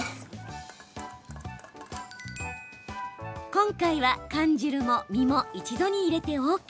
今回は缶汁も身も一度に入れてＯＫ。